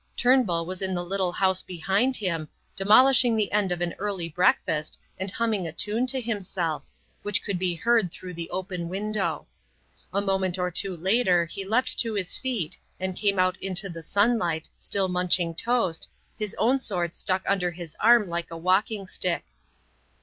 Turnbull was in the little house behind him, demolishing the end of an early breakfast and humming a tune to himself, which could be heard through the open window. A moment or two later he leapt to his feet and came out into the sunlight, still munching toast, his own sword stuck under his arm like a walking stick.